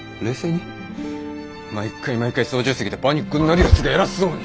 毎回毎回操縦席でパニックになるやつが偉そうに。